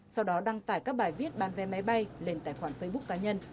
sau đó đăng tải các bài viết bán vé máy bay lên tài khoản facebook cá nhân